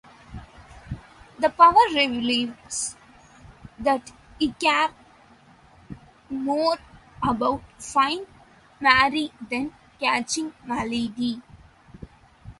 The power reveals that he cares more about finding Mary than catching Maladie.